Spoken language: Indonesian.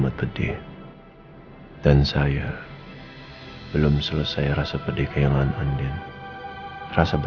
saya juga tak selesai berakhir yang yang sekarang